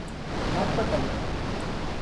Bak bakalım.